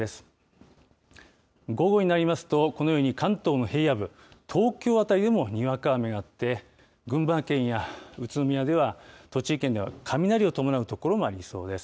午後になりますと、このように関東の平野部、東京辺りでもにわか雨があって、群馬県や宇都宮では、栃木県では、雷を伴う所もありそうです。